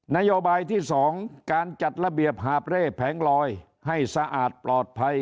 นโยบายที่๒การจัดระเบียบหาบเร่แผงลอยให้สะอาดปลอดภัย